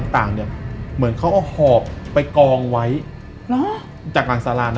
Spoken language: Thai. ต่างเนี่ยเหมือนเขาเอาหอบ